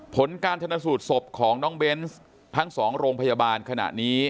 ผลการชนสูตรศพของน้องเบนส์ทั้ง๒โรงพยาบาลขณะนี้